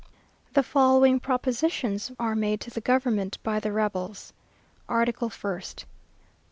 The following propositions are made to the government by the rebels: "Article 1st.